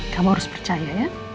kamu harus percaya ya